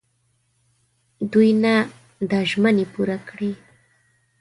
دوی نه دا ژمني پوره کړي.